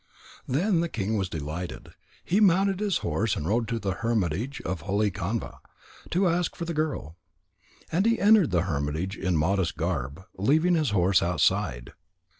Then the king was delighted. He mounted his horse and rode to the hermitage of holy Kanva, to ask for the girl. And he entered the hermitage in modest garb, leaving his horse outside.